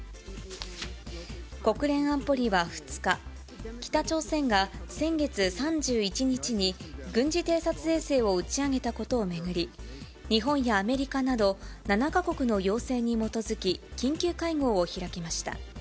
国連安保理は２日、北朝鮮が先月３１日に軍事偵察衛星を打ち上げたことを巡り、日本やアメリカなど７か国の要請に基づき、緊急会合を開きました。